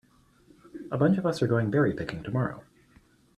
A bunch of us are going berry picking tomorrow.